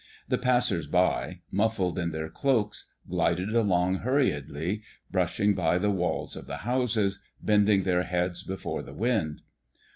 The passers by, muffled in their cloaks, glided along hurriedly, brushing by the walls of the houses, bending their heads before the wind.